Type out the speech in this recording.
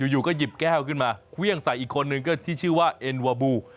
อยู่ก็หยิบแก้วขึ้นมาเครื่องใส่อีกคนนึงก็ที่ชื่อว่าเอ็นวาบู